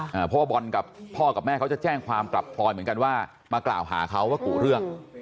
เพราะว่าบอลกับพ่อกับแม่เขาจะแจ้งความกลับพลอยเหมือนกันว่ามากล่าวหาเขาว่ากุเรื่อง